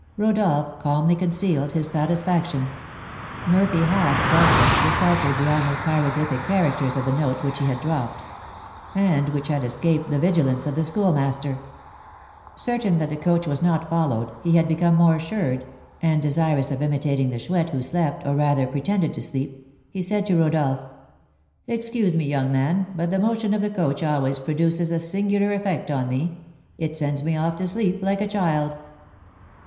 Rodolph calmly concealed his satisfaction; Murphy had, doubtless, deciphered the almost hieroglyphic characters of the note which he had dropped, and which had escaped the vigilance of the Schoolmaster. Certain that the coach was not followed, he had become more assured, and desirous of imitating the Chouette, who slept, or rather pretended to sleep, he said to Rodolph: "Excuse me, young man, but the motion of the coach always produces a singular effect on me, it sends me off to sleep like a child."